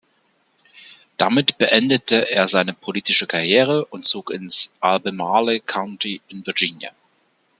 Damit beendete er seine politische Karriere und zog ins Albemarle County in Virginia.